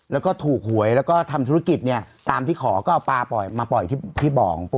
แล้วก็ถูกหวยแล้วก็ทำธุรกิจเนี่ยตามที่ขอก็เอาปลาปล่อยมาปล่อยที่บ่อง